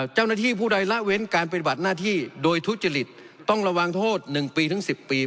เจ้าหน้าที่ผู้ใดละเว้นการปฏิบัติหน้าที่โดยทุจริตต้องระวังโทษ๑ปีถึง๑๐ปี